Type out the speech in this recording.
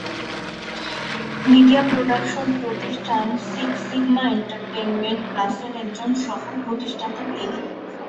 Media production প্রতিষ্ঠান six sigma entertainment প্লাসের একজন সহ-প্রতিষ্ঠাতা তিনি।